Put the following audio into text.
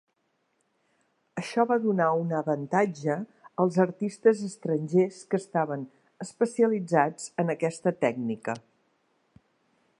Això va donar un avantatge als artistes estrangers que estaven especialitzats en aquesta tècnica.